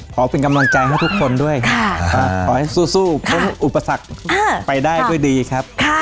ขอเป็นกำลังใจให้ทุกคนด้วยขอให้สู้พ้นอุปสรรคไปได้ด้วยดีครับ